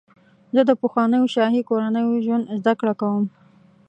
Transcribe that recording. زه د پخوانیو شاهي کورنیو ژوند زدهکړه کوم.